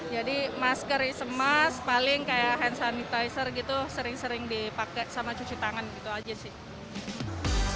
jadi masker semas paling kayak hand sanitizer gitu sering sering dipakai sama cuci tangan gitu aja sih